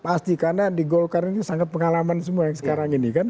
pasti karena di golkar ini sangat pengalaman semua yang sekarang ini kan